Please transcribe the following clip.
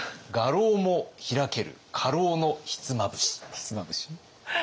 ひつまぶし？